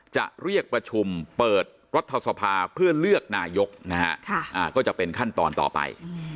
จะเรียกประชุมเปิดรัฐสภาเพื่อเลือกนายกนะฮะก็จะเป็นขั้นตอนต่อไป